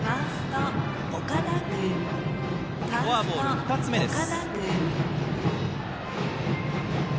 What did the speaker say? フォアボール２つ目です。